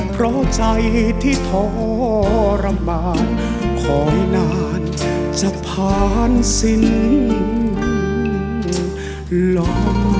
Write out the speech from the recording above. เพราะใจที่ทรมานของนานจะผ่านสิ้นล้ม